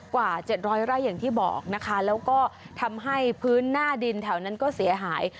กว่า๗๐๐ไร่อย่างที่บอกนะคะแล้วก็ทำให้พื้นหน้าดินแถวนั้นก็เสียหาย